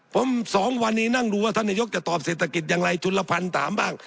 ผมสองวันนี้นั่งดูว่าท่านนายกจะตอบเศรษฐกิจอย่างไรจุลพันธ์ถามบ้าง